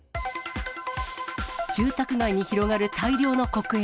住宅街に広がる大量の黒煙。